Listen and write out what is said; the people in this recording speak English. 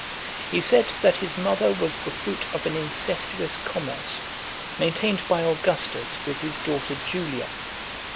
He said that his mother was the fruit of an incestuous commerce, maintained by Augustus with his daughter Julia.